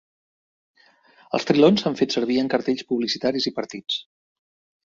Els trilons s'han fet servir en cartells publicitaris i partits.